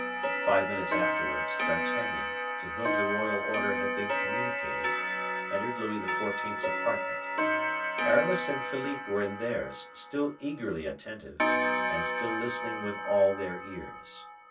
Five minutes afterwards, D'Artagnan, to whom the royal order had been communicated, entered Louis XIV.'s apartment. Aramis and Philippe were in theirs, still eagerly attentive, and still listening with all their ears.